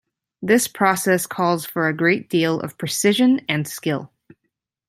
This process calls for a great deal of precision and skill.